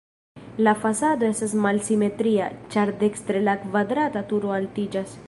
La fasado estas malsimetria, ĉar dekstre la kvadrata turo altiĝas.